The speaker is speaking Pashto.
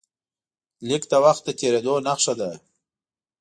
لیک د وخت د تېرېدو نښه ده.